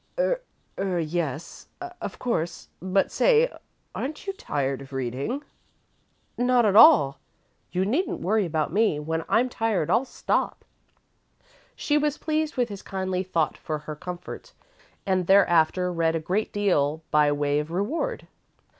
"Er yes, of course, but say aren't you tired of reading?" "Not at all. You needn't worry about me. When I'm tired, I'll stop." She was pleased with his kindly thought for her comfort, and thereafter read a great deal by way of reward.